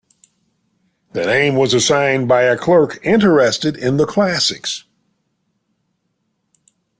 The name was assigned by a clerk interested in the classics.